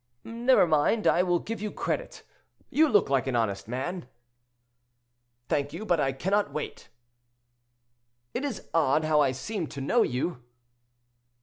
"Never mind, I will give you credit; you look like an honest man." "Thank you; but I cannot wait." "It is odd how I seem to know you."